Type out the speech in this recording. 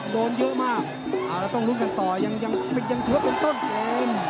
โดนเยอะมากต้องลุกกันต่อยังถือกกันต้อง